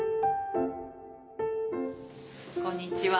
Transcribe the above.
こんにちは。